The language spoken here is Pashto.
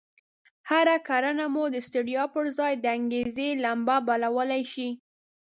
هره کړنه مو د ستړيا پر ځای د انګېزې لمبه بلولای شي.